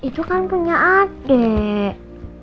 itu kan punya adek